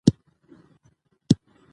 هغه څوک چې درس وايي کامياب دي.